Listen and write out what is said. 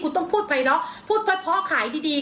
คุณต้องพูดพะย์ล้อพูดพ่อขายดี